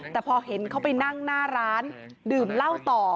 แต่พอเห็นเขาไปนั่งหน้าร้านดื่มเหล้าต่อ